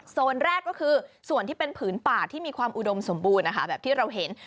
โซนแรกก็คือส่วนที่เป็นผืนป่าที่มีความอุดมสมบูรณ์นะคะแบบที่เราเห็น